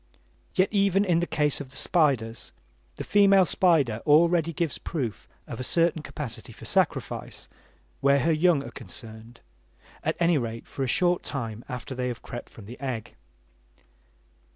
Yet even in the case of the spiders, the female spider already gives proof of a certain capacity for sacrifice where her young are concerned, at any rate for a short time after they have crept from the egg.